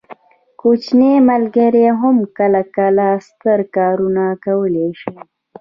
کوچني ملګري هم کله کله ستر کارونه کولی شي.